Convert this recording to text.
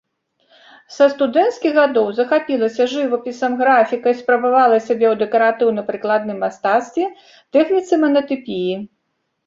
Са студэнцкіх гадоў захапілася жывапісам, графікай, спрабавала сябе ў дэкаратыўна-прыкладным мастацтве, тэхніцы манатыпіі.